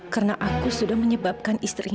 karena aku sudah menyebabkan istrinya